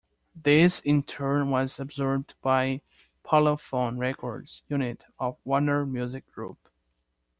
This in turn was absorbed by the Parlophone Records unit of Warner Music Group.